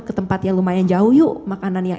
ke tempat yang lumayan jauh yuk makanan yang